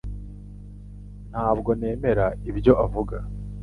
Ntabwo nemera ibyo uvuga